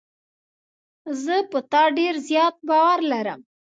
زه په تا ډېر زیات باور لرم.